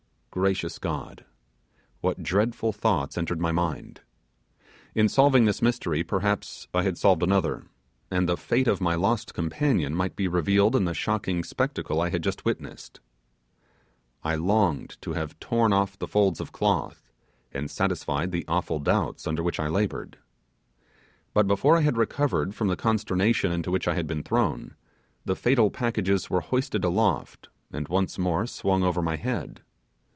Gracious God! what dreadful thoughts entered my head; in solving this mystery perhaps I had solved another, and the fate of my lost companion might be revealed in the shocking spectacle I had just witnessed. I longed to have torn off the folds of cloth and satisfied the awful doubts under which I laboured. But before I had recovered from the consternation into which I had been thrown, the fatal packages were hoisted aloft, and once more swung over my head.